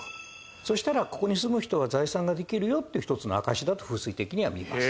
そしたらここに住む人は財産ができるよっていう一つの証しだと風水的には見ます。